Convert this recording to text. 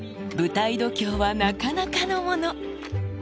舞台度胸はなかなかのもの。